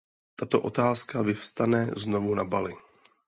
Tato otázka vyvstane znovu na Bali.